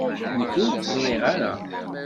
Nekk ur t-ẓriɣ ara.